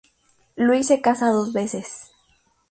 Luis se casó dos veces.